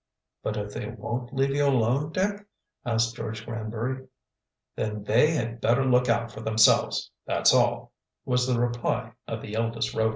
"But if they won't leave you alone, Dick?" asked George Granbury. "Then they had better look out for themselves, that's all," was the reply of the eldest Rover.